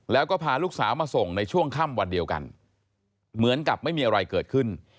แล้วก็พาลูกสาวมาส่งในช่วงค่ำวันเดียวกันเหมือนกับไม่มีอะไรเกิดขึ้น